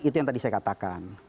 itu yang tadi saya katakan